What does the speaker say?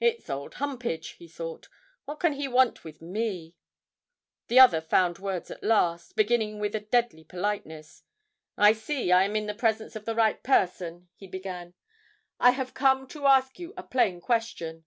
'It's old Humpage,' he thought. 'What can he want with me?' The other found words at last, beginning with a deadly politeness. 'I see I am in the presence of the right person,' he began. 'I have come to ask you a plain question.'